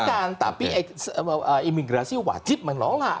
bukan tapi imigrasi wajib menolak